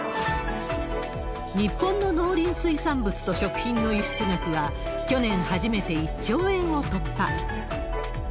日本の農林水産物と食品の輸出額は、去年、初めて１兆円を突破。